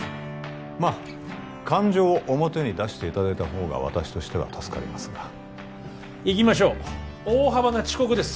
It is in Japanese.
まあ感情を表に出していただいた方が私としては助かりますが行きましょう大幅な遅刻です